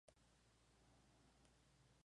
La fiesta local es el tercer domingo de junio.